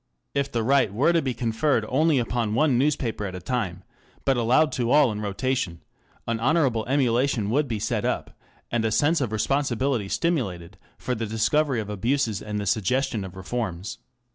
If the right were to be conferred only upon one newspaper at a time, but allowed to all in rotation, an honourable emulation would be set up, and a sense of responsibility stimulated, for the discovery of abuses and the suggestion of reforms.